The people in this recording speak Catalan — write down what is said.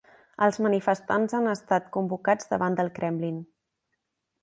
Els manifestants han estat convocats davant del Kremlin